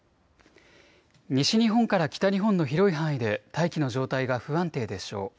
西日本から北日本の広い範囲で大気の状態が不安定でしょう。